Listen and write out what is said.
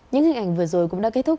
những hình ảnh vừa rồi cũng đã kết thúc